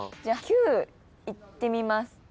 じゃあ９いってみます。